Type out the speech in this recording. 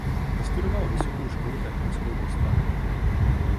Vystudoval Vysokou školu technickou v Ostravě.